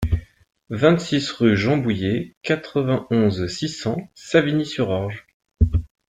vingt-six rue Jean Bouyer, quatre-vingt-onze, six cents, Savigny-sur-Orge